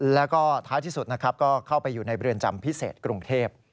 แล้วก็ท้ายที่สุดนะครับก็เข้าไปอยู่ในเรือนจำพิเศษกรุงเทพ